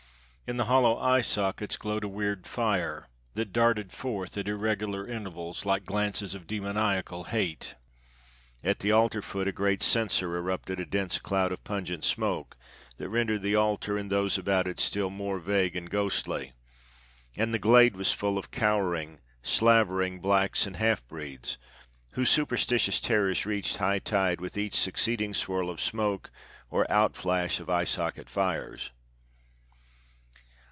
In the hollow eye sockets glowed a weird fire that darted forth at irregular intervals like glances of demoniacal hate; at the altar foot a great censer erupted a dense cloud of pungent smoke that rendered the altar and those about it still more vague and ghostly. And the glade was full of cowering, slavering blacks and half breeds, whose superstitious terrors reached high tide with each succeeding swirl of smoke or outflash of eye socket fires.